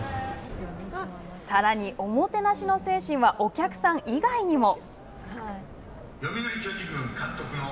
さらに、おもてなしの精神はお客さん以外にも。